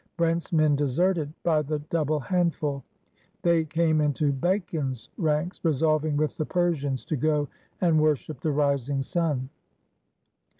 Brent's men deserted by the double handful. They came into Bacon's ranks '* resolving with the Persians to go and worship the rising sun.''